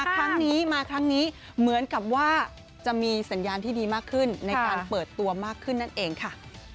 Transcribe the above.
ครั้งนี้มาครั้งนี้เหมือนกับว่าจะมีสัญญาณที่ดีมากขึ้นในการเปิดตัวมากขึ้นนั่นเองค่ะ